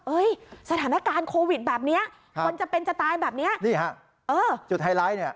สถานการณ์โควิดแบบเนี้ยคนจะเป็นจะตายแบบเนี้ยนี่ฮะเออจุดไฮไลท์เนี่ย